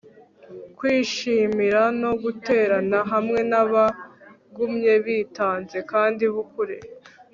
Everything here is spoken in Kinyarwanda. kwishimira no guterana hamwe nabagumye bitanze kandi bukuri